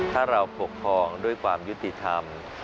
ถ้าเราปกครองด้วยความยุติธรรม